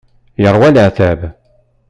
Yeṛwa leɛtab.